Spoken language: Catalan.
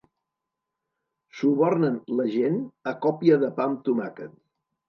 Subornen la gent a còpia de pa amb tomàquet.